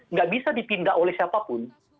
nggak bisa dipindah oleh siapapun